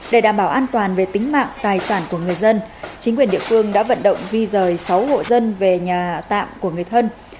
để đảm bảo an toàn về tính mạng tài sản của người dân chính quyền địa phương đã vận động di rời sáu hộ dân về nhà tạm của người thân